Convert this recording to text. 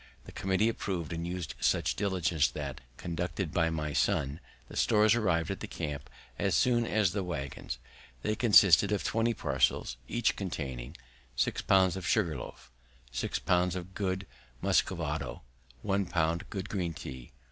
The committee approv'd, and used such diligence that, conducted by my son, the stores arrived at the camp as soon as the waggons. They consisted of twenty parcels, each containing 6 lbs. loaf sugar. 6 lbs. good Muscovado do. 1 lb. good green tea.